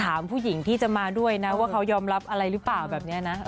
ถามผู้หญิงที่จะมาด้วยนะว่าเขายอมรับอะไรหรือเปล่าแบบนี้นะ